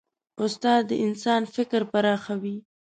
استاد د انسان فکر پراخوي.